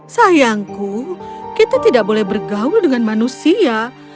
sayangku kita tidak boleh bergaul dengan manusia